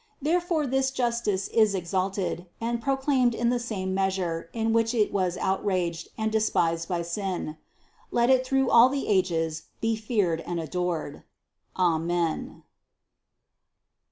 Thereby this justice is exalted and proclaimed in the same measure in which it was outraged and despised by sin. Let it through all the ages be feared and adored. Amen.